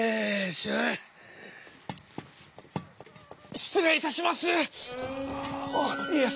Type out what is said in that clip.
失礼いたします。